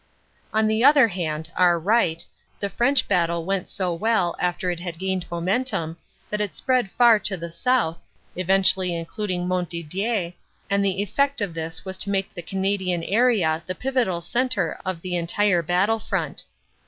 On the other hand, our right, the French battle went so well after it had gained momentum, that it spread far to the south, eventually including Montdidier, and the effect of this was to make the Canadian area the pivotal centre of the en tire battle front.